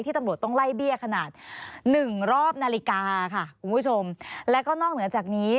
ตำรวจต้องไล่เบี้ยขนาดหนึ่งรอบนาฬิกาค่ะคุณผู้ชมแล้วก็นอกเหนือจากนี้